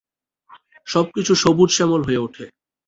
সবকিছু সবুজ শ্যামল হয়ে উঠে।